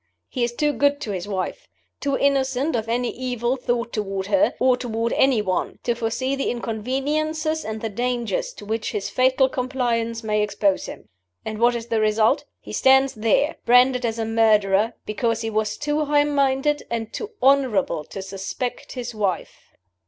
He is too good to his wife, too innocent of any evil thought toward her, or toward any one, to foresee the inconveniences and the dangers to which his fatal compliance may expose him. And what is the result? He stands there, branded as a murderer, because he was too high minded and too honorable to suspect his wife."